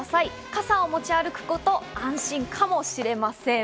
傘を持ち歩くと安心かもしれません。